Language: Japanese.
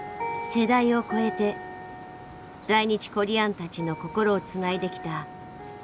世代を越えて在日コリアンたちの心をつないできたチェーサー。